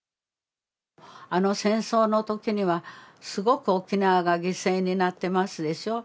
あの戦争のときには、すごく沖縄が犠牲になってますでしょ。